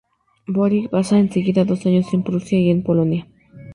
Bory pasa en seguida dos años en Prusia y en Polonia.